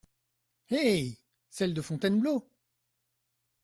Eh ! celle de Fontainebleau !